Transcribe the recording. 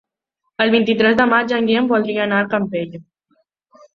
El vint-i-tres de maig en Guillem voldria anar al Campello.